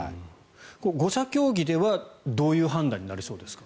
５者協議ではどういう判断になりそうですか？